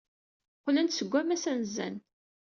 Qqlent-d seg wammas anezzan.